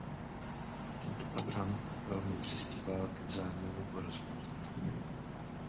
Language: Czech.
Tento program velmi přispívá ke vzájemnému porozumění.